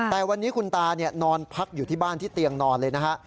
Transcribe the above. แต่วันนี้คุณตานอนพักอยู่ที่บ้านที่เตียงนอนเลยนะฮะ